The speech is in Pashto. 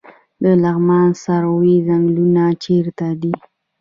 د لغمان سروې ځنګلونه چیرته دي؟